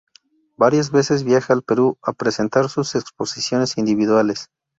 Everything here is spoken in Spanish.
Varias veces viaja al Perú a presentar sus exposiciones individuales.